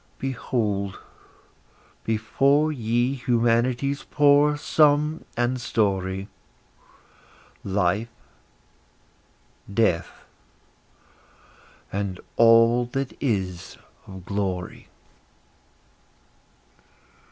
Behold before ye Humanity's poor sum and story; Life, Death, and all that is of glory.